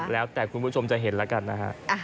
แล้วแต่คุณผู้ชมจะเห็นแล้วกันนะฮะ